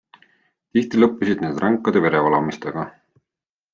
Tihti lõppesid need ränkade verevalamistega.